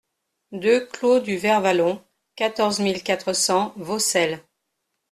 deux clos du Vert Vallon, quatorze mille quatre cents Vaucelles